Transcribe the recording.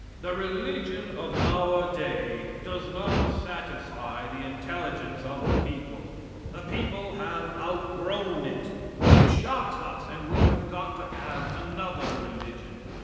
The realization of our day does not satisfy the intelligence of the people the people have outgrown it. It shocks us and we have got to have another religion.